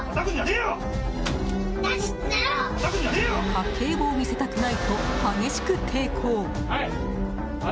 家計簿を見せたくないと激しく抵抗！